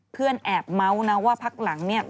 เพื่อนแอบเมาส์นะว่าพักหลังเนี่ย